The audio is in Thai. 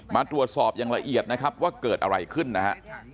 มาตรวจสอบอย่างละเอียดนะครับว่าเกิดอะไรขึ้นนะฮะ